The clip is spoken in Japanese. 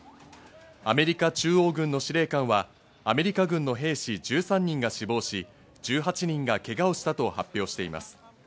アメリカ中央軍の司令官はアメリカ軍の兵士１３人が死亡し１８人がけがをしたと発表しています。